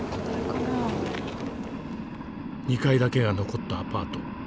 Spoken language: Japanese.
２階だけが残ったアパート。